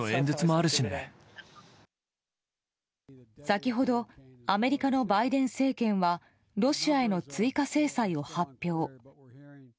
先ほどアメリカのバイデン政権はロシアへの追加制裁を発表。